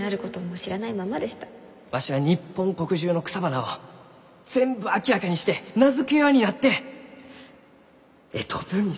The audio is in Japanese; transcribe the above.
わしは日本国中の草花を全部明らかにして名付け親になって絵と文にするがじゃ。